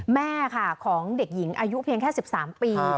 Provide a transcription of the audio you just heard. แม่ค่ะของเด็กหญิงอายุเพียงแค่๑๓ปี